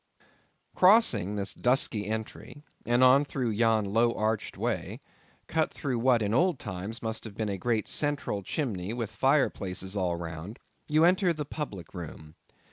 Crossing this dusky entry, and on through yon low arched way—cut through what in old times must have been a great central chimney with fireplaces all round—you enter the public room.